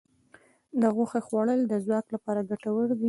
د غوښې خوړل د ځواک لپاره ګټور دي.